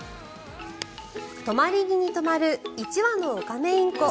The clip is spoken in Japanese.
止まり木に止まる１羽のオカメインコ。